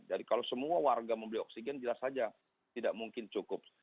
jadi kalau semua warga membeli oksigen jelas saja tidak mungkin cukup